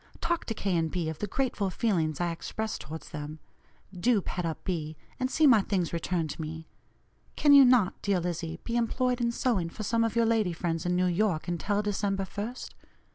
Talk to K. & B. of the grateful feelings I express towards them. Do pet up B., and see my things returned to me. Can you not, dear Lizzie, be employed in sewing for some of your lady friends in New York until December 1st?